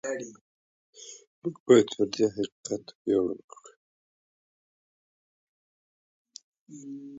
موږ باید پر دې حقیقت ویاړ وکړو.